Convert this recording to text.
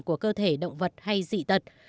của cơ thể động vật hay dị tật